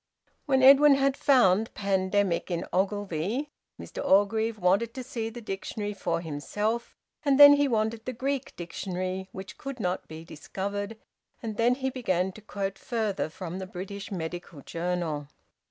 When Edwin had found `pandemic' in Ogilvie, Mr Orgreave wanted to see the dictionary for himself, and then he wanted the Greek dictionary, which could not be discovered, and then he began to quote further from the "British Medical Journal."